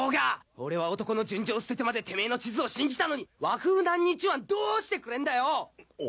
俺は男の純情を捨ててまでてめえの地図を信じたのに和風男溺泉どーしてくれんだよお！